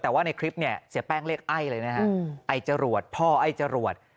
แต่ว่าในคลิปเนี่ยเสียแป้งเรียกไอ้เลยนะฮะไอ้จรวดพ่อไอ้จรวด